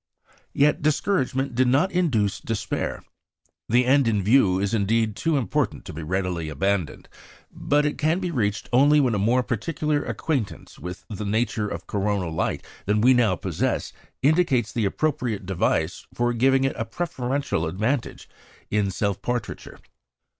Yet discouragement did not induce despair. The end in view is indeed too important to be readily abandoned; but it can be reached only when a more particular acquaintance with the nature of coronal light than we now possess indicates the appropriate device for giving it a preferential advantage in self portraiture.